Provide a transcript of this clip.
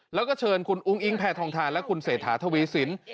แล้วก็เชิญคุณอุ้งอิงแพทองทานและคุณเศรษฐาทวีสิน